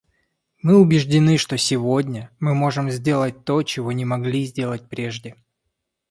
Мы убеждены, что сегодня мы можем сделать то, чего не могли сделать прежде.